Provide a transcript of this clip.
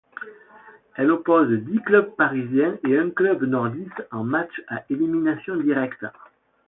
Elle oppose dix clubs parisiens et un club nordiste en matchs à élimination directe.